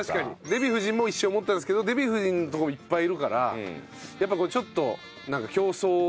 デヴィ夫人も一瞬思ったんですけどデヴィ夫人んとこもいっぱいいるからやっぱこうちょっとなんか競争率がね。